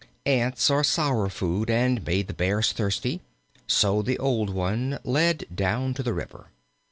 '"] Ants are sour food and made the Bears thirsty, so the old one led down to the river.